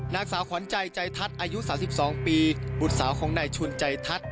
นางสาวขวัญใจใจทัศน์อายุ๓๒ปีบุตรสาวของนายชวนใจทัศน์